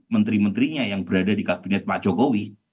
menteri menterinya yang berada di kabinet pak jokowi